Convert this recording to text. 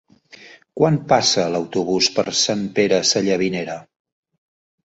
Quan passa l'autobús per Sant Pere Sallavinera?